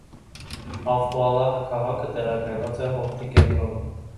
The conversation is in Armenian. Աֆուլահ քաղաքը տեղակայված է հովտի կենտրոնում։